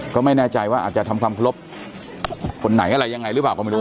ก็ไม่แน่ใจว่าอาจจะทำความเคารพคนไหนอะไรยังไงหรือเปล่าก็ไม่รู้